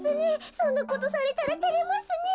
そんなことされたらてれますねえ。